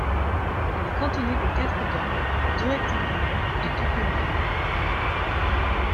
Il est cantonné de quatre d'angles, deux rectangulaires et deux polygonales.